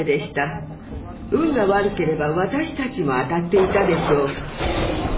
運が悪ければ私たちも当たっていたでしょう。